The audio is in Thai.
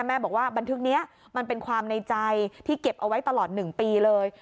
แม่บอกว่าบันทึกนี้มันเป็นความในใจที่เก็บเอาไว้ตลอด๑ปีเลย